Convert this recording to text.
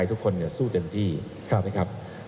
ทุกคนสู้เต็มที่นะครับ